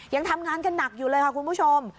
ยังทำงานกันหนักอยู่เลยค่ะคุณผู้ชม